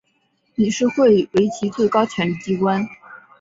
理事会为其最高权力机关。